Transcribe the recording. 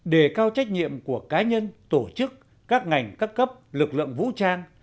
đề cao trách nhiệm của cá nhân tổ chức các ngành các cấp lực lượng vũ trang